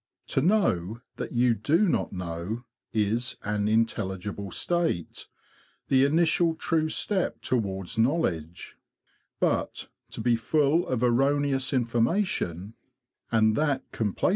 To know that you do not know is an intelligible state, the initial true step towards knowledge; but to be full of erroneous information, and that complac ITS VARIOUS STAGES HONEY COMIE?